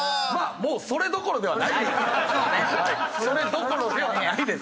それどころではないです。